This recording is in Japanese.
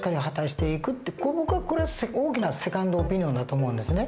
ここが大きなセカンドオピニオンだと思うんですね。